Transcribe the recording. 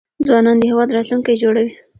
ځوانان د هيواد راتلونکي جوړونکي دي .